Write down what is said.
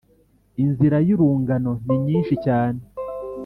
inzira z’urungano ni nyinshi cyane